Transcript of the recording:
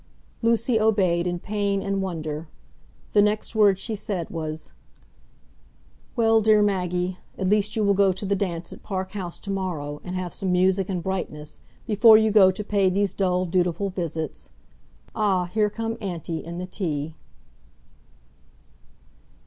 Lucy obeyed in pain and wonder. The next word she said was,— "Well, dear Maggie, at least you will go to the dance at Park House to morrow, and have some music and brightness, before you go to pay these dull dutiful visits. Ah! here come aunty and the tea."